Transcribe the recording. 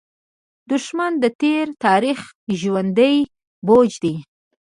دښمن د تېر تاریخ ژوندى بوج دی